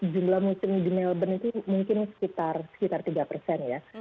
jumlah muslim di melbourne itu mungkin sekitar tiga persen ya